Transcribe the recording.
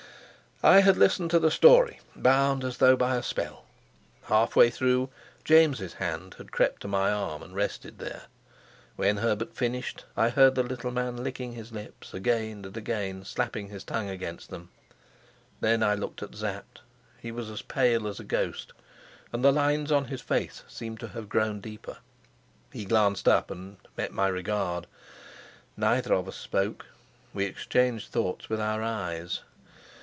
I had listened to the story, bound as though by a spell. Halfway through, James's hand had crept to my arm and rested there; when Herbert finished I heard the little man licking his lips, again and again slapping his tongue against them. Then I looked at Sapt. He was as pale as a ghost, and the lines on his face seemed to have grown deeper. He glanced up, and met my regard. Neither of us spoke; we exchanged thoughts with our eyes.